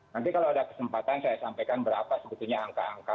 nanti kalau ada kesempatan saya sampaikan berapa sebetulnya angka angka